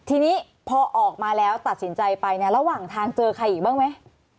ทีนี้พอออกมาแล้วตัดสินใจไปเนี่ยระหว่างทางเจอใครอีกบ้างไหม